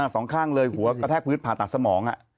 สองข้างเลยหัวกระแทกพื้นผ่าตัดสมอง